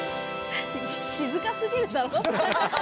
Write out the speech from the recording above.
静かすぎるだろ。